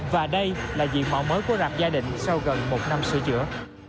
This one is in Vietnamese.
và đây là diện mẫu mới của rạp gia đình sau gần một năm sửa chữa